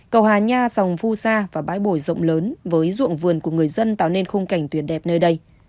cầu hà nha sòng vu xa và bãi bổi rộng lớn với ruộng vườn của người dân tạo nên khung cảnh tuyệt đẹp nơi đây